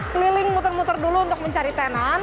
keliling muter muter dulu untuk mencari tenan